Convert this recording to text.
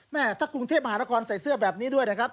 ถ้ากรุงเทพมหานครใส่เสื้อแบบนี้ด้วยนะครับ